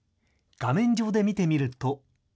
画面上で見てみると。